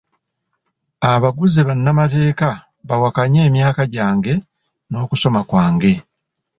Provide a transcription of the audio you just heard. Abaguze bannamateeka bawakanye emyaka gyange n'okusoma kwange.